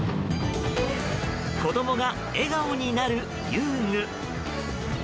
子供が笑顔になる遊具。